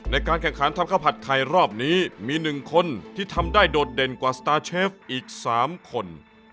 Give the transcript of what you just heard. ในการแข่งขันทำข้าวผัดไทยรอบนี้มี๑คนที่ทำได้โดดเด่นกว่าสตาร์เชฟอีก๓คน